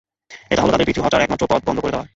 এটা হল তাদের পিছু হটার একমাত্র পথ বন্ধ করে দেওয়া।